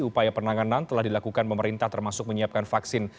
upaya penanganan telah dilakukan pemerintah termasuk menyiapkan vaksin